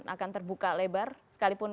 akan terbuka lebar sekalipun